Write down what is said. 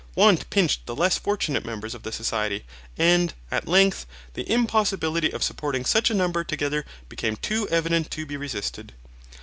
Want pinched the less fortunate members of the society, and, at length, the impossibility of supporting such a number together became too evident to be resisted.